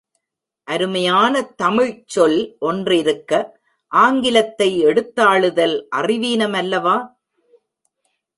அருமையான தமிழ்ச்சொல் ஒன்றிருக்க ஆங்கிலத்தை எடுத்தாளுதல் அறிவீனம் அல்லவா?